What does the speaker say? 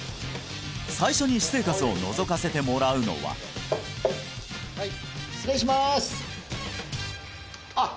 最初に私生活をのぞかせてもらうのは・はい失礼しますあっ